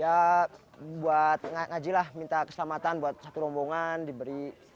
ya buat ngajilah minta keselamatan buat satu rombongan diberi